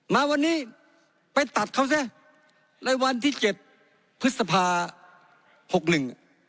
มาวันนี้ไปตัดเขาซะในวันที่เจ็ดพฤษภาหกหนึ่ง